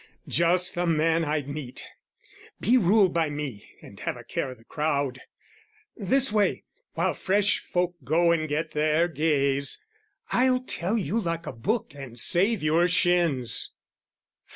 (Just the man I'd meet.) Be ruled by me and have a care o'the crowd: This way, while fresh folk go and get their gaze: I'll tell you like a book and save your shins.